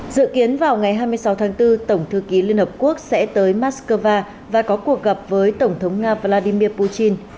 dự kiến vào ngày hai mươi sáu tháng bốn tổng thư ký liên hợp quốc sẽ tới moscow và có cuộc gặp với tổng thống nga vladimir putin